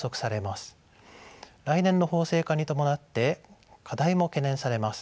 来年の法制化に伴って課題も懸念されます。